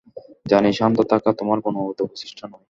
জানি শান্ত থাকা তোমার গুণগত বৈশিষ্ট্য নয়।